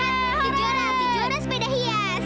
lihat si juara sepeda hias